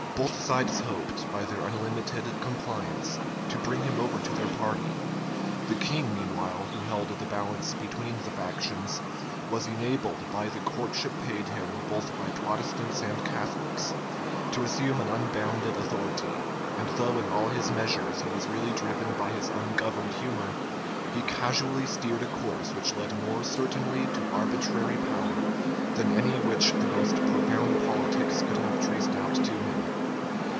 Both sides hoped, by their unlimited compliance, to bring him over to their party: the king, meanwhile, who held the balance between the factions, was enabled, by the courtship paid him both by Protestants and Catholics, to assume an unbounded authority: and though in all his measures he was really driven by his ungoverned humor, he casually steered a course which led more certainly to arbitrary power, than any which the most profound politics could have traced out to him.